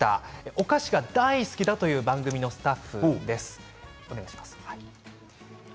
お菓子が大好きだという番組のスタッフです。